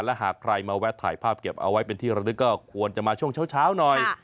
และหากใครมาแวะถ่ายภาพเก็บเอาไว้เป็นที่ระลึกก็ควรจะมาช่วงเช้าหน่อย